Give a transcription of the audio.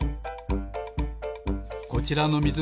こちらのみず